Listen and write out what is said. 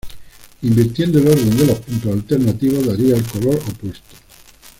Invirtiendo el orden de los puntos alternativos daría el color opuesto.